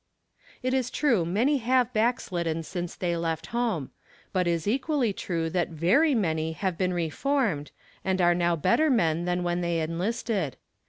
It is true many have backslidden since they left home; but is equally true that very many have been reformed, and are now better men than when they enlisted.